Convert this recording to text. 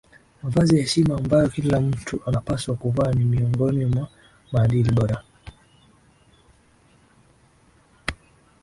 Mavazi ya heshima ambayo kila mtu anapaswa kuvaa ni miongoni mwa maadili bora